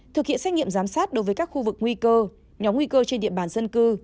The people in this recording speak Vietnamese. thực hiện xét nghiệm giám sát đối với các khu vực nguy cơ nhóm nguy cơ trên địa bàn dân cư